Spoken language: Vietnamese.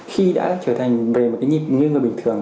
khi đã trở thành về một cái nhịp nghiêng người bình thường